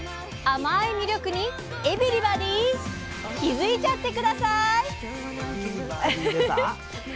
甘い魅力に「エビ」リバディー気付いちゃって下さい！